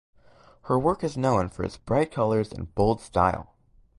Her work is known for its bright colours and bold style.